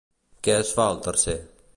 Què es fa al tercer?